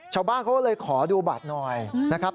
ชาวบ้านเขาก็เลยขอดูบัตรหน่อยนะครับ